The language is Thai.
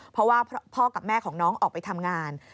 เพราะว่าพ่อกับแม่ของน้องออกไปทำงาน